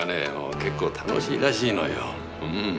結構楽しいらしいのよ。